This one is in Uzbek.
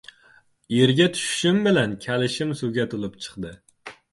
Yerga tushishim bilan kalishim suvga to‘lib chiqdi.